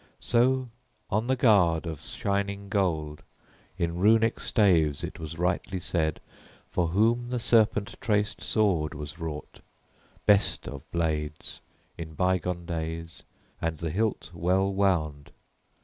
So on the guard of shining gold in runic staves it was rightly said for whom the serpent traced sword was wrought, best of blades, in bygone days, and the hilt well wound.